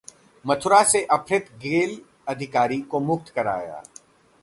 मथुरा से अपहृत गेल अधिकारी को मुक्त कराया